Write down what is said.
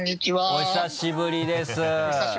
お久しぶりです。